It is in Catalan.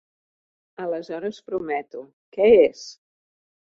Aleshores prometo; què és?